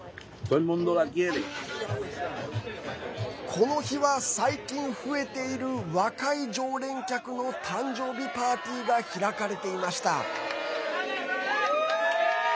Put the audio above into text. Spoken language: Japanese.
この日は、最近増えている若い常連客の誕生日パーティーが開かれていました。